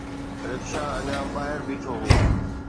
رڪشا اڃا ٻاهر بيٺو هو